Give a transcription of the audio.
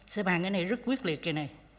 sẽ bàn cái này rất quyết liệt cái này